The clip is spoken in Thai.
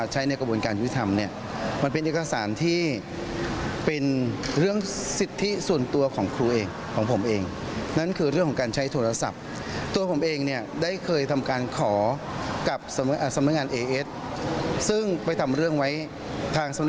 จากธนาคารมากกว่า